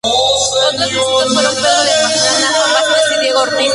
Otros músicos fueron Pedro de Pastrana, Juan Vázquez o Diego Ortiz.